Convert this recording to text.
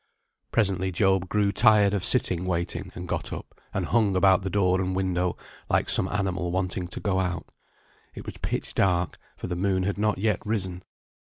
Presently Job grew tired of sitting waiting, and got up, and hung about the door and window, like some animal wanting to go out. It was pitch dark, for the moon had not yet risen.